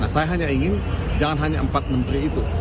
saya hanya ingin jangan hanya empat menteri itu